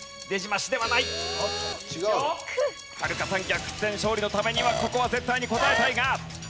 逆転勝利のためにはここは絶対に答えたいが。